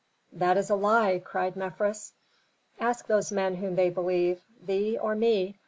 "That is a lie!" cried Mefres. "Ask those men whom they believe: thee, or me?